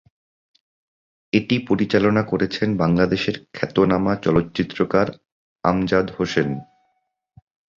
এটি পরিচালনা করেছেন বাংলাদেশের খ্যাতনামা চলচ্চিত্রকার আমজাদ হোসেন।